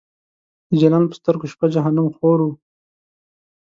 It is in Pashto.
د جلان په سترګو شپه جهنم خور و